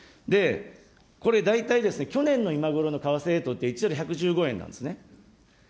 これ、大体、去年の今頃の為替レートって、１ドル１５５円なんですね。